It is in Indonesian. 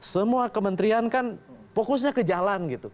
semua kementerian kan fokusnya ke jalan gitu